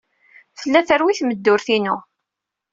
Tella terwi tmeddurt-inu.